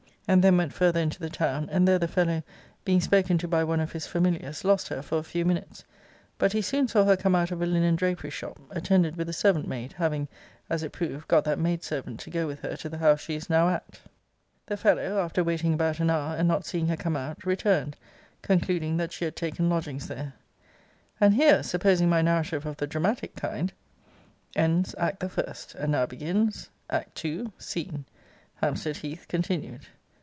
And then went farther into the town, and there the fellow, being spoken to by one of his familiars, lost her for a few minutes: but he soon saw her come out of a linen drapery shop, attended with a servant maid, having, as it proved, got that maid servant to go with her to the house she is now at.* * See Letter XXI. of this volume. 'The fellow, after waiting about an hour, and not seeing her come out, returned, concluding that she had taken lodgings there.' And here, supposing my narrative of the dramatic kind, ends Act the first. And now begins ACT II SCENE. Hampstead Heath continued.